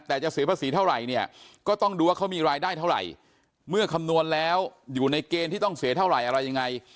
แต่จะเสียภาษีเท่าไหร่เนี่ยก็ต้องดูว่าเขามีรายได้เท่าไหร่เมื่อคำนวณแล้วอยู่ในเกณฑ์ที่ต้องเสียเท่าไหร่อะไรยังไง